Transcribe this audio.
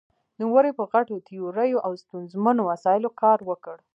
نومړې په غټو تیوریو او ستونزمنو مسايلو کار وکړ.